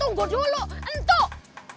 tunggu dulu entuk